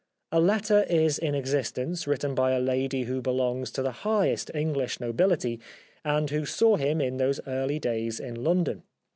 A letter is in exist ence written by a lady who belongs to the highest English nobility, and who saw him in those early days in London.